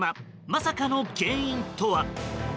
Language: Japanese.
まさかの原因とは。